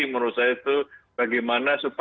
menurut saya itu